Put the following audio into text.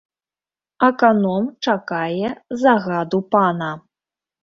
Аканом чакае загаду пана.